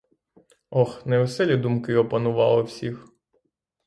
Ох, невеселі думки опанували всіх.